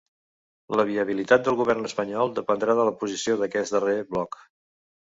La viabilitat del govern espanyol dependrà de la posició d’aquest darrer bloc.